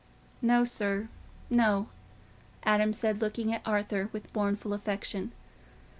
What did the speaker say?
"No, sir, no," Adam said, looking at Arthur with mournful affection.